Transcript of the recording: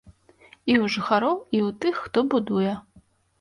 І ў жыхароў, і ў тых, хто будуе.